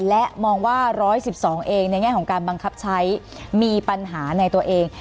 และมองว่า๑๑๒เองในแง่ของการบังคับใช้มีปัญหาในตัวเอง